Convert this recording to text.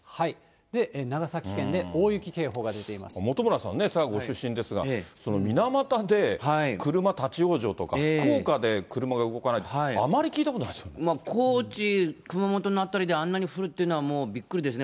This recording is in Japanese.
長崎県にも大雪警報が出てい本村さんね、出身ですが、水俣で車立往生とか、福岡で車が動かないってあまり聞いたことない高知、熊本の辺りであんなに降るっていうのはもうびっくりですね。